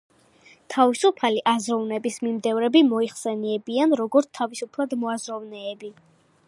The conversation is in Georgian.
თავისუფალი აზროვნების მიმდევრები მოიხსენიებიან, როგორც თავისუფლად მოაზროვნეები.